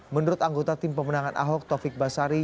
menurut anggota tim pemenangan ahok taufik basari